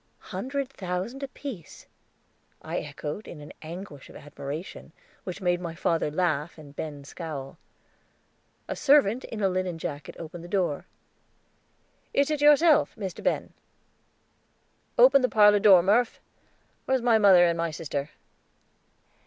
"Hundred thousand apiece," I echoed in an anguish of admiration, which made my father laugh and Ben scowl. A servant in a linen jacket opened the door. "Is it yourself, Mr. Ben?" "Open the parlor door, Murph. Where's my mother and my sister?"